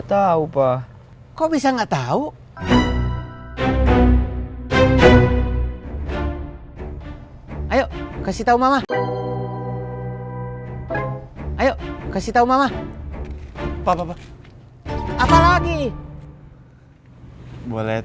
tau pak kok bisa enggak tahu ayo kasih tahu mama ayo kasih tahu mama pak apa lagi boleh